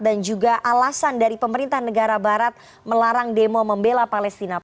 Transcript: dan juga alasan dari pemerintah negara barat melarang demo membela palestina